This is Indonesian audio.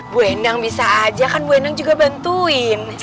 bu endang bisa aja kan bu endang juga bantuin